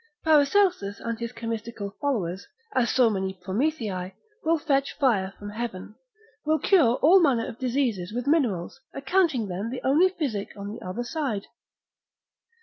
Paracelsus and his chemistical followers, as so many Promethei, will fetch fire from heaven, will cure all manner of diseases with minerals, accounting them the only physic on the other side.